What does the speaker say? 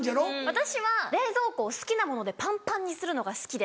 私は冷蔵庫を好きなものでパンパンにするのが好きで。